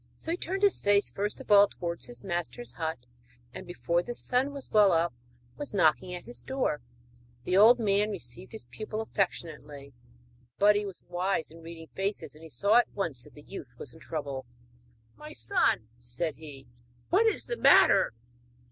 So he turned his face first of all towards his master's hut, and before the sun was well up was knocking at his door. The old man received his pupil affectionately; but he was wise in reading faces, and saw at once that the youth was in trouble. 'My son,' said he, 'what is the matter?'